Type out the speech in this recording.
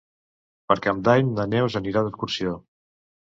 Per Cap d'Any na Neus anirà d'excursió.